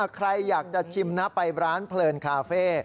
ใครอยากจะชิมนะไปร้านเพลินคาเฟ่